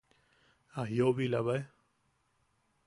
¿A jiʼobilabae?